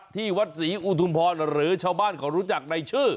ที่วัดศรีอุทุมพรหรือชาวบ้านเขารู้จักในชื่อ